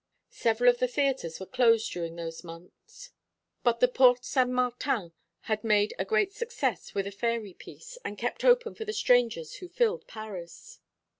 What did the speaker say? Several of the theatres were closed during those months; but the Porte Saint Martin had made a great success with a fairy piece, and kept open for the strangers who filled Paris.